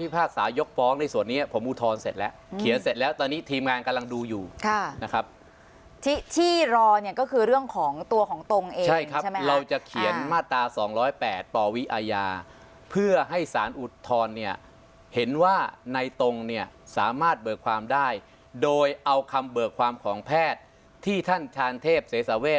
พิพากษายกฟ้องในส่วนนี้ผมอุทธรณ์เสร็จแล้วเขียนเสร็จแล้วตอนนี้ทีมงานกำลังดูอยู่นะครับที่ที่รอเนี่ยก็คือเรื่องของตัวของตรงเองใช่ครับเราจะเขียนมาตรา๒๐๘ปวิอาญาเพื่อให้สารอุทธรณ์เนี่ยเห็นว่าในตรงเนี่ยสามารถเบิกความได้โดยเอาคำเบิกความของแพทย์ที่ท่านชาญเทพเสสาเวท